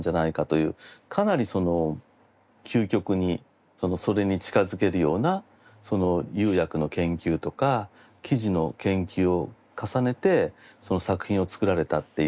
かなり究極にそれに近づけるような釉薬の研究とか生地の研究を重ねて作品を作られたっていう。